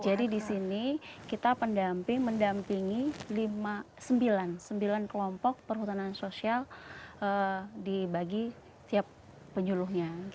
jadi di sini kita pendamping mendampingi sembilan kelompok perhutanan sosial dibagi setiap penyuluhnya